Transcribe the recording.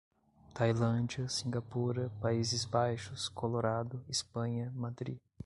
Tailândia, Singapura, Países Baixos, Colorado, Espanha, Madrid